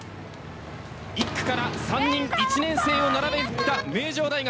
１区から３人１年生を並べてきた名城大学。